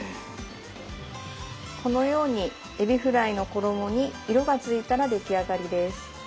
このようにえびフライの衣に色がついたら出来上がりです。